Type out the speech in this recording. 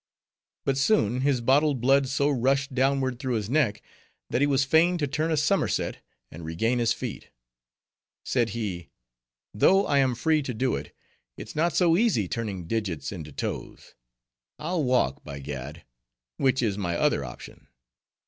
But soon, his bottled blood so rushed downward through his neck, that he was fain to turn a somerset and regain his feet. Said he, 'Though I am free to do it, it's not so easy turning digits into toes; I'll walk, by gad! which is my other option.